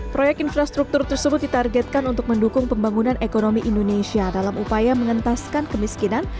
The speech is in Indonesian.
proyek infrastruktur tersebut ditargetkan untuk mendukung pembangunan ekonomi indonesia dalam upaya mengentaskan kemiskinan